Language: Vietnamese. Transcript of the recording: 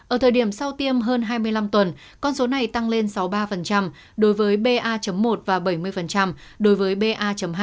ở thời điểm sau tiêm hơn hai mươi năm tuần con số này tăng lên sáu mươi ba đối với ba một và bảy mươi đối với ba hai